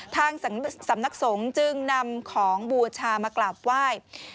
ทางสำนักสงฆ์จึงนำของบูชามากราบไหว้